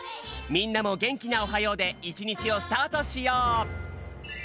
みんなもげんきな「おはよう」でいちにちをスタートしよう！